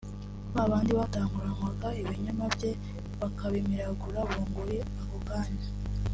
Ba bandi batanguranwaga ibinyoma bye bakabimiragura bunguri ako kanya